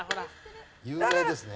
有名ですね。